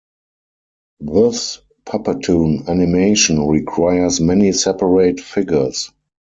Thus puppetoon animation requires many separate figures.